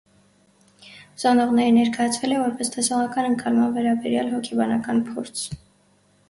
Ուսանողներին ներկայացվել է, որպես «տեսողական ընկալման վերաբերյալ հոգեբանական փորձ»։